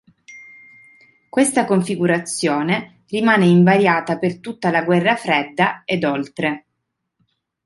Questa configurazione rimane invariata per tutta la guerra fredda ed oltre.